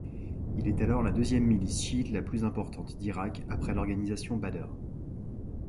Il est alors la deuxième milice chiite la plus importante d'Irak après l'Organisation Badr.